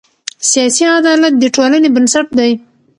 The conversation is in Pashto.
سیاسي عدالت د ټولنې بنسټ دی